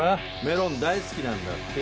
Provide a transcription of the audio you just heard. メロン大好きなんだって。